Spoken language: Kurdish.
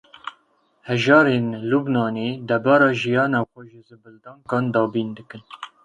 Hejarên Lubnanê debara jiyana xwe ji zibildankan dabîn dikin.